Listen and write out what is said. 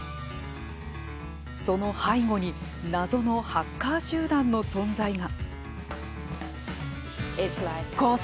その背後に謎のハッカー集団の存在が。